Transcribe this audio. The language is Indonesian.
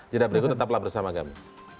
jadwal berikut tetaplah bersama kami